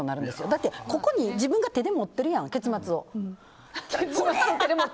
だって、ここに自分が手で持ってるやん、結末を。